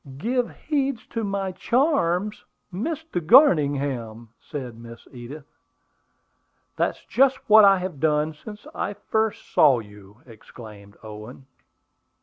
"Give heed to my charms, Mr. Garningham!" said Miss Edith. "That's just what I have done since I first saw you!" exclaimed Owen.